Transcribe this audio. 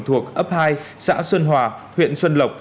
thuộc ấp hai xã xuân hòa huyện xuân lộc